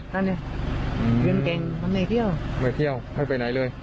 ท่านเนี่ยยืนเก่งมันไม่เที่ยวไม่เที่ยวไม่ไปไหนเลย